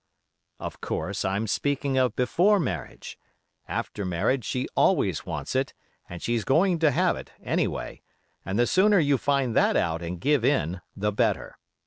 Of course, I'm speaking of before marriage; after marriage she always wants it, and she's going to have it, anyway, and the sooner you find that out and give in, the better.